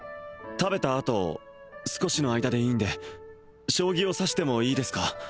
食べたあと少しの間でいいんで将棋を指してもいいですか？